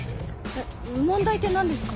えっ問題って何ですか？